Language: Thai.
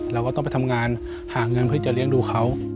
เราก็ต้องไปทำงานหาเงินเพื่อจะเลี้ยงดูเขา